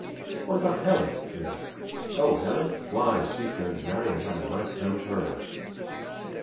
"What about Helen?" we asked. "Oh, Helen why, she's going to marry and have a nice home of her own."